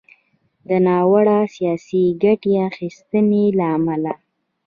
د ناوړه “سياسي ګټې اخيستنې” له امله